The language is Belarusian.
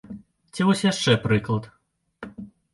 Ці вось яшчэ прыклад.